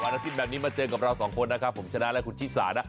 อาทิตย์แบบนี้มาเจอกับเราสองคนนะครับผมชนะและคุณชิสานะ